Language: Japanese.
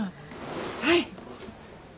はい。